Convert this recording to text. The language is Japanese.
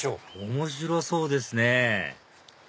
面白そうですね